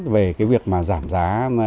về cái việc mà giảm giá